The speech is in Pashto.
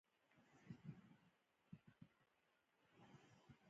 اوس مهال دېرش هېوادونه د نړۍ شتمنو هېوادونو په سر کې دي.